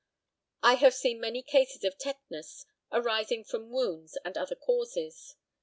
I have seen many cases of tetanus arising from wounds and other causes.